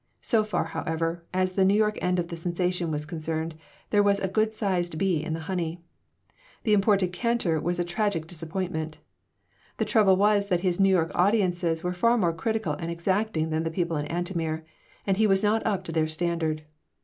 So far, however, as the New York end of the sensation was concerned, there was a good sized bee in the honey. The imported cantor was a tragic disappointment. The trouble was that his New York audiences were far more critical and exacting than the people in Antomir, and he was not up to their standard.